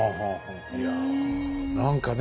いや何かね